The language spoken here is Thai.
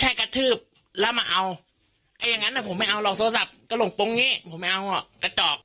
อย่างงั้นนะผมไม่เอาหรอกโทรศัพท์กระหล่งป้องนี้ผมไม่เอาหรอกกระจอก